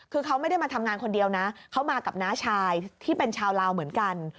คือเขาไม่ได้มาทำงานคนเดียวนะเขามากับน้าชายที่เป็นชาวลาวเหมือนกัน